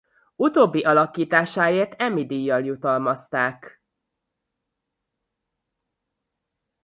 Utóbbi alakításáért Emmy-díjjal jutalmazták.